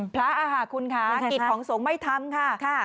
พระอาหารคุณค่ะกิตของสงฆ์ไม่ทำค่ะ